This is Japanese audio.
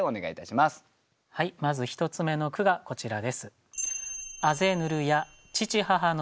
まず１つ目の句がこちらです。